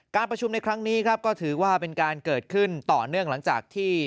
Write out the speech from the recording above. การประชุมในครั้งนี้ครับก็ถือว่าเป็นการเกิดขึ้นต่อเนื่องหลังจากที่